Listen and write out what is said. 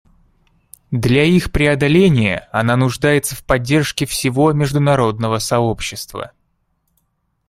Для их преодоления она нуждается в поддержке всего международного сообщества.